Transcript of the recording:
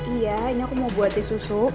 iya ini aku mau buatnya susu